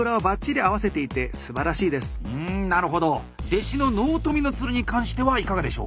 弟子の納富の鶴に関してはいかがでしょうか？